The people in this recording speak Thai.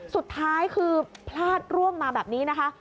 สุดท้ายคือพลาดร่วงมาแบบนี้นะคะ